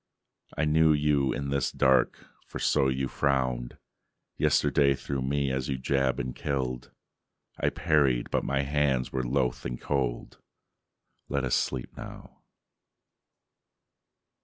I knew you in this dark for so you frowned Yesterday through me as you jabbed and killed. I parried, but my hands were loath and cold. Let us sleep now..."